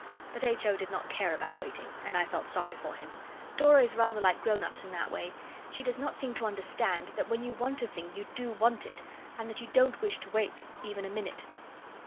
But H. O. did not care about waiting, and I felt for him. Dora is rather like grown ups in that way; she does not seem to understand that when you want a thing you do want it, and that you don't wish to wait, even a minute.